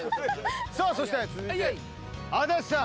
さあそして続いて足立さん。